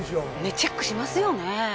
チェックしますよね。